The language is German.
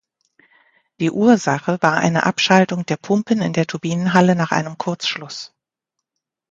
Die Ursache war eine Abschaltung der Pumpen in der Turbinenhalle nach einem Kurzschluss.